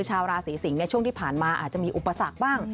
ชาวราศีสิงศ์ช่วงที่ผ่านมาอาจจะมีอุปสรรคบ้าง